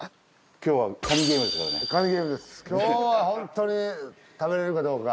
今日はホントに食べられるかどうか。